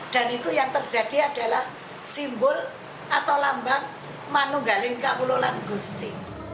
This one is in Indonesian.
dan itu yang terjadi adalah simbol atau lambang manu galing kaulolan gusti